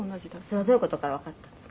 「それはどういう事からわかったんですか？」